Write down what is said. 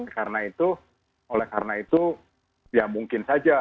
karena itu oleh karena itu ya mungkin saja